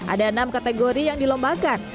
ada enam kategori yang dilombakan